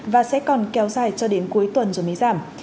và sẽ còn kéo dài cho đến cuối tuần rồi mới giảm